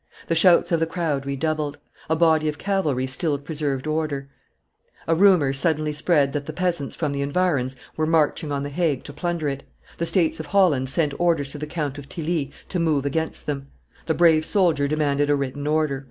The shouts of the crowd redoubled; a body of cavalry still preserved order; a rumor suddenly spread that the peasants from the environs were marching on the Hague to plunder it; the States of Holland sent orders to the Count of Tilly to move against them; the brave soldier demanded a written order.